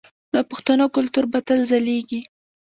د پښتنو کلتور به تل ځلیږي.